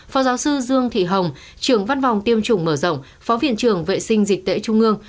phó giáo sư dương thị hồng trưởng văn phòng tiêm chủng mở rộng phó viện trưởng vệ sinh dịch tễ trung ương